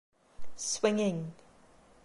Swinging!